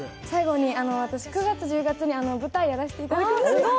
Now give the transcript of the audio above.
最後に、私、９月１０月に舞台をやらせていただきます。